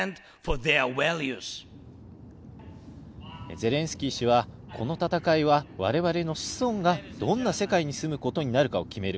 ゼレンスキー氏は、この戦いは我々の子孫がどんな世界に住むことになるかを決める。